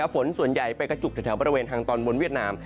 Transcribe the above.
ฝนส่วนใหญ่ไปกระจุกแถวบริเวณทางตอนบนเวียดนาม